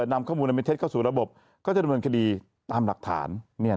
นำข้อมูลอันเป็นเท็จเข้าสู่ระบบก็จะดำเนินคดีตามหลักฐาน